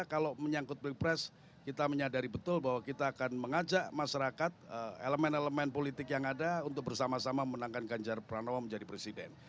kalau menyangkut pilpres kita menyadari betul bahwa kita akan mengajak masyarakat elemen elemen politik yang ada untuk bersama sama menangkan ganjar pranowo menjadi presiden